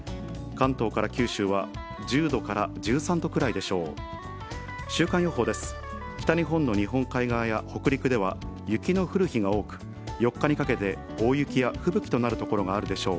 関東から九州は１０度から１３度くらいでしょう。